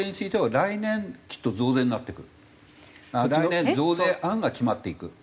来年増税案が決まっていく。